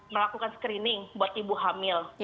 melakukan screening buat ibu hamil